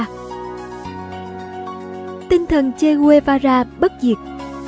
tinh thần che guevara bất diệt